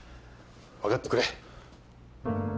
分かってくれ